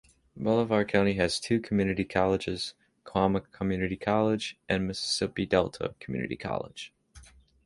Bolivar County has two community colleges: Coahoma Community College and Mississippi Delta Community College.